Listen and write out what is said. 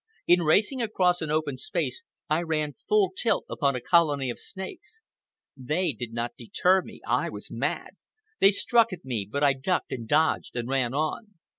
In racing across an open space I ran full tilt upon a colony of snakes. They did not deter me. I was mad. They struck at me, but I ducked and dodged and ran on.